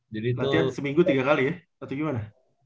latihan seminggu tiga kali ya atau gimana